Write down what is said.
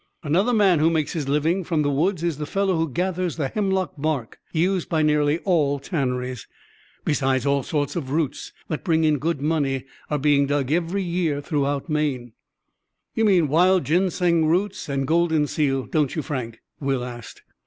Another man who makes his living from the woods is the fellow who gathers the hemlock bark used by nearly all tanneries. Besides, all sorts of roots that bring in good money are being dug every year throughout Maine." "You mean wild ginseng roots, and golden seal, don't you, Frank?" Will asked.